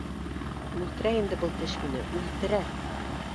Үлтерә инде был теш мине, үлтерә!